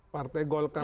partai golkar itu